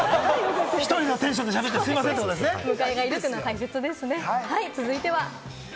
１人のテンションでしゃべってすみませんというお出迎えがあるというのは嬉しいことですね。